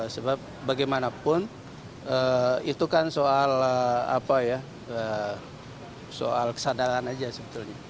sebab bagaimanapun itu kan soal apa ya soal kesadaran aja sebetulnya